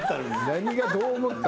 何がどう思った？